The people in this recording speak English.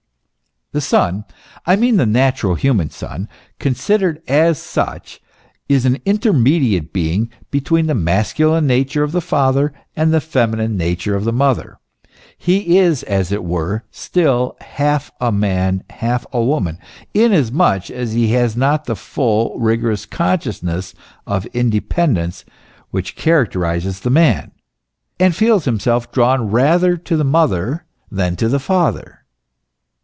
f The son I mean the natural, human son considered as such, is an intermediate being between the masculine nature of the father and the feminine nature of the mother ; he is, as it were, still half a man, half a woman, inasmuch as he has not the full, rigorous consciousness of independence which characterizes the man, and feels himself drawn rather to the mother than to the father.